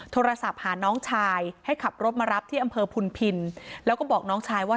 โทรศัพท์หาน้องชายให้ขับรถมารับที่อำเภอพุนพินแล้วก็บอกน้องชายว่า